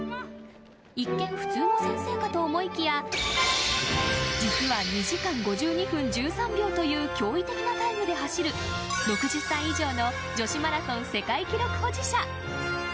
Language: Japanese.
一見、普通の先生かと思いきや実は２時間５２分１３秒という驚異的なタイムで走る６０歳以上の女子マラソン世界記録保持者。